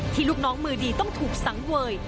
ลูกน้องมือดีต้องถูกสังเวย